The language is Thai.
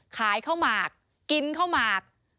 ขายข้าวหมากกินข้าวหมาก